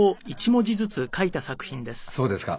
そうですか。